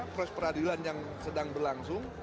proses peradilan yang sedang berlangsung